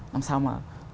làm sao mà